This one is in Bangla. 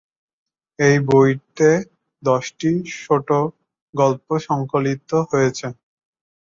এই বইতে দশটি ছোটোগল্প সংকলিত হয়েছে।